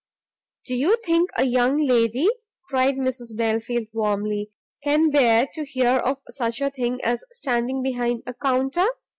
"Do you think a young lady," cried Mrs Belfield warmly, "can bear to hear of such a thing as standing behind a counter?